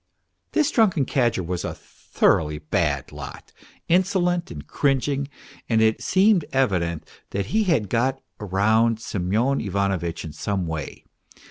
This drunken cadger was a thoroughly bad lot, insolent and cringing, and it seemed evi dent that he had got round Semyon Ivanovitch in some way.